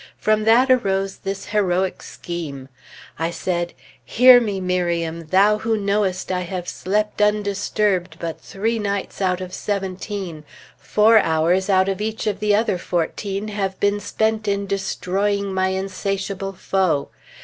From that arose this heroic scheme: I said, "Hear me, Miriam, thou who knowest I have slept undisturbed but three nights out of seventeen, four hours out of each of the other fourteen having been spent in destroying my insatiable foe.